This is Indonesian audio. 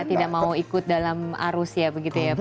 tidak mau ikut dalam arus ya begitu ya pak